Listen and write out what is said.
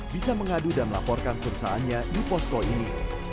bisa mengadu dan melaporkan perusahaannya di posko ini